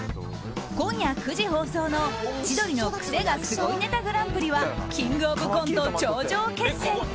今夜９時放送の「千鳥のクセがスゴいネタＧＰ」は「キングオブコント」頂上決戦。